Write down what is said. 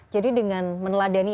jadi dengan meneladani